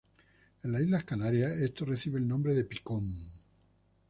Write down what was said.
En las islas Canarias esto recibe el nombre de picón.